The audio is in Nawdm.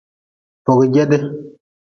Fojede.